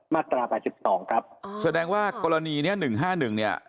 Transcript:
มาตรา๘๒ครับแสดงว่ากรณีเนี้ย๑๕๑เนี่ย